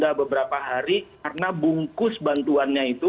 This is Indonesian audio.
sudah beberapa hari karena bungkus bantuannya itu